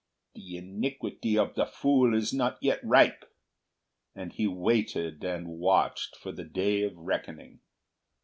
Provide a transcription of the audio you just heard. "The iniquity of the fool is not yet ripe." And he waited and watched for the day of reckoning.